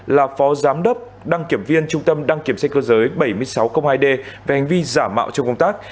là phó giám đốc đăng kiểm viên trung tâm đăng kiểm xe cơ giới bảy nghìn sáu trăm linh hai d về hành vi giả mạo trong công tác